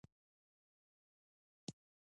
ما ولیدل چې هغوی خپل مور سره مرسته کوي